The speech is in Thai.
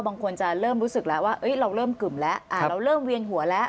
บางคนจะเริ่มรู้สึกแล้วว่าเราเริ่มกึ่มแล้วเราเริ่มเวียนหัวแล้ว